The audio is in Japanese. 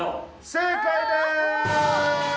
正解です！